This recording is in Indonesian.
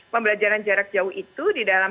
pembelajaran jarak jauh itu di dalam